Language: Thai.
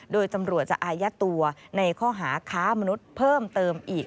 โดยตำรวจจะอายัดตัวในข้อหาค้ามนุษย์เพิ่มเติมอีก